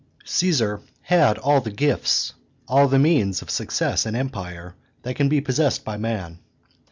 Caesar had all the gifts, all the means of success and empire, that can be possessed by man.